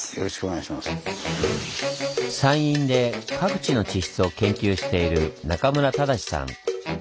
山陰で各地の地質を研究している中村唯史さん。